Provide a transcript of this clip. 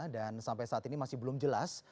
dan sampai saat ini masih belum jelas